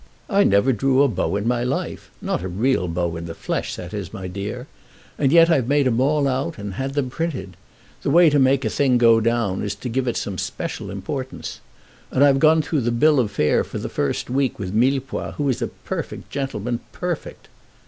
I never drew a bow in my life, not a real bow in the flesh, that is, my dear, and yet I've made 'em all out, and had them printed. The way to make a thing go down is to give it some special importance. And I've gone through the bill of fare for the first week with Millepois, who is a perfect gentleman, perfect."